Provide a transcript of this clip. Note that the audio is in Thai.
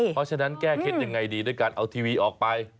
เพราะฉะนั้นแก้เคล็ดยังไงดีด้วยการเอาทีวีออกไป